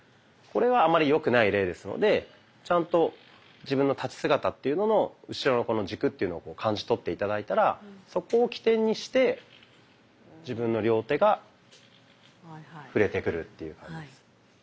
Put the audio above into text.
これはあんまりよくない例ですのでちゃんと自分の立ち姿っていうのの後ろの軸というのを感じ取って頂いたらそこを起点にして自分の両手が振れてくるという感じです。